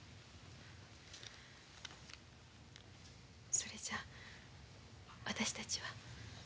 それじゃあ私たちは。